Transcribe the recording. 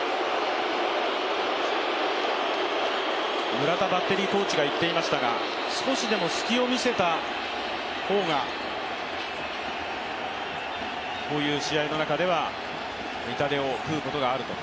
村田バッテリーコーチが言っていましたが、少しでも隙を見せた方がこういう試合の中では痛手を食うことがあると。